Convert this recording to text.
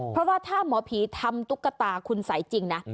เพราะว่าถ้าหมอผีทำตุ๊กตาคุณใส่จริงนะ